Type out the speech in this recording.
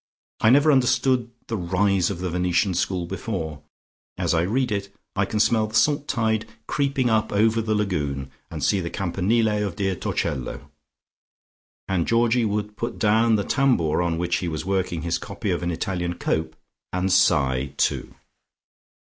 I never understood the rise of the Venetian School before. As I read I can smell the salt tide creeping up over the lagoon, and see the campanile of dear Torcello." And Georgie would put down the tambour on which he was working his copy of an Italian cope and sigh too.